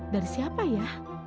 dari siapa ya